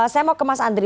saya mau ke mas andri